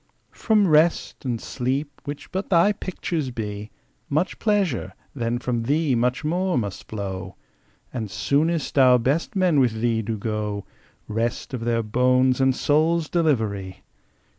From Rest and Sleep, which but thy picture be, Much pleasure, then from thee much more must flow; And soonest our best men with thee do go Rest of their bones and souls' delivery!